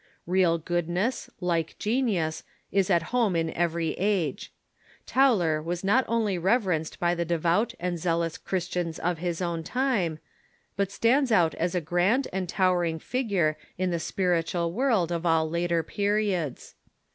Real goodness, like genius, is at home in ever^^ age. Tauler was not only reverenced by the devout and zealous Christians of his own time, but stands out as a grand and towering figure in the spiritual world of all later periods.